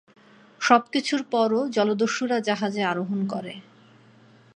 সবকিছুর পরও জলদস্যুরা জাহাজে আরোহণ করে।